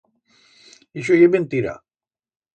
Ixo ye mentira.